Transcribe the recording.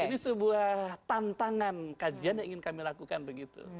ini sebuah tantangan kajian yang ingin kami lakukan begitu